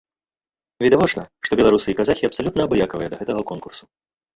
Відавочна, што беларусы і казахі абсалютна абыякавыя да гэтага конкурсу.